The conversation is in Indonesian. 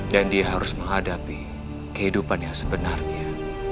dan dia harus menghadapi kehidupan yang sebenarnya